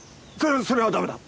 そそれは駄目だ！